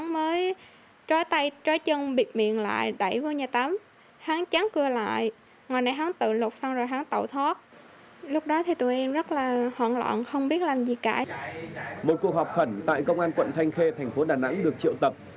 một cuộc họp khẩn tại công an quận thanh khê thành phố đà nẵng được triệu tập